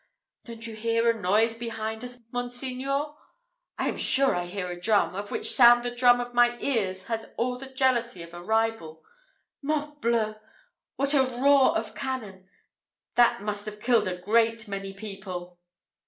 Don't you hear a noise behind us, monseigneur? I am sure I hear a drum, of which sound the drum of my ear has all the jealousy of a rival: Morbleu! what a roar of cannon! That must have killed a great many people!"